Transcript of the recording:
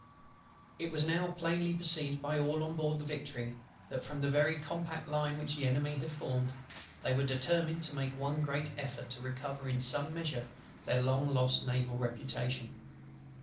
It was now plainly perceived by all on board the Victory, that from the very compact line which the Enemy had formed, they were determined to make one great effort to recover in some measure their long lost naval reputation.